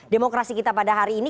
demokrasi kita pada hari ini